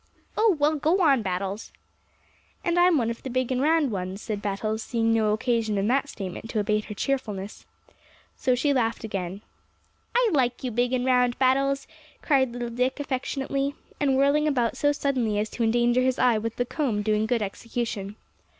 "Oh, well, go on, Battles." "And I'm one of the big and round ones," said Battles, seeing no occasion in that statement to abate her cheerfulness. So she laughed again. "I like you big and round, Battles," cried little Dick affectionately, and whirling about so suddenly as to endanger his eye with the comb doing good execution.